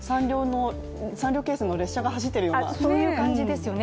３両形成の列車が走っているような感じですね